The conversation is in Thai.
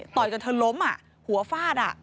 ต่อยกันเธอล้มหัวฟาด